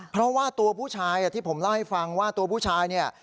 เพราะว่าตัวผู้ชายที่ผมเล่าให้ฟังว่าตัวผู้ชายเนี่ย